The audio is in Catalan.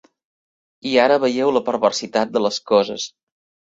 I ara veieu la perversitat de les coses.